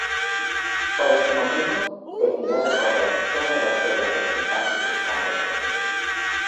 Por este motivo, decidió recorrer todos los pueblos de Kentucky buscando fortuna.